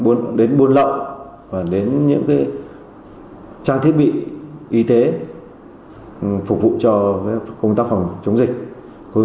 mặt hàng liên quan đến buôn lậu và đến những trang thiết bị y tế phục vụ cho công tác phòng chống dịch covid một mươi chín